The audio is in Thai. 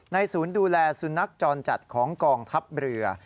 ศูนย์ดูแลสุนัขจรจัดของกองทัพเรือ